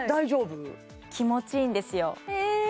気持ちいいんですよえ